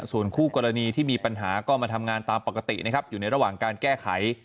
ส่วนคู่กรณีที่มีปัญหาก็มาทำงานตามปกตินะครับอยู่ในระหว่างการแก้ไข